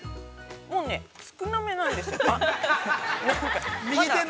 ◆もう少なめなんです。